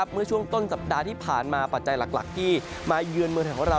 เมื่อช่วงต้นสัปดาห์ที่ผ่านมาปัจจัยหลักที่มาเยือนเมืองไทยของเรา